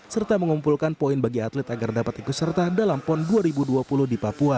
serta mengumpulkan poin bagi atlet agar dapat ikut serta dalam pon dua ribu dua puluh di papua